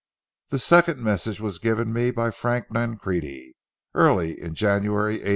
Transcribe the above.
The second message was given me by Frank Nancrede, early in January, '81.